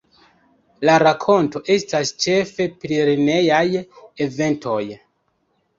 La rakonto estas ĉefe pri lernejaj eventoj.